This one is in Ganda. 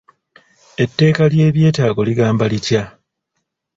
Etteeka ly'ebyetaago ligamba litya?